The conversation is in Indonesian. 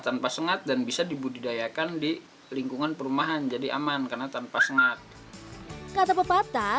tanpa sengat dan bisa dibudidayakan di lingkungan perumahan jadi aman karena tanpa seng kata pepatah